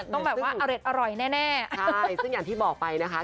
ต้องแบบว่าอะไรอร่อยแน่